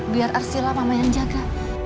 biar arsila mamayan jaga